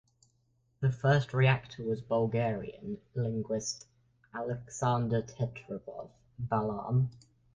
The first rector was Bulgarian linguist Aleksandar Teodorov-Balan.